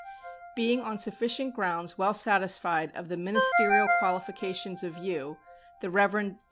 being on sufficient grounds well satisfied of the ministerial qualifications of you, the Rev. Dr.